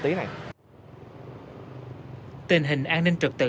tình hình an ninh trực tự